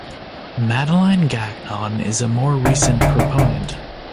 Madeleine Gagnon is a more recent proponent.